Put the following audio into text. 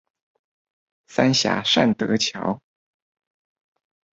三峽善德橋